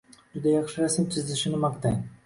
juda yaxshi rasm chizishini maqtang.